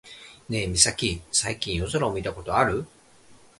ねえミサキ、最近夜空を見たことある？